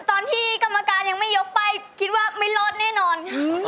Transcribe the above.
ตอนที่กรรมการยังไม่ยกป้ายคิดว่าไม่รอดแน่นอนค่ะ